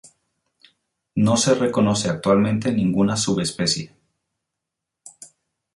No se reconoce actualmente ninguna subespecie.